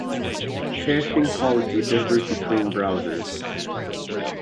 Caching policy differs between browsers.